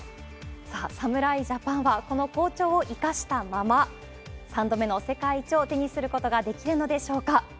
さあ、侍ジャパンはこの好調を生かしたまま、３度目の世界一を手にすることができるのでしょうか。